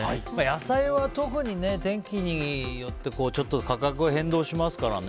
野菜は天気によって価格が変動しますからね。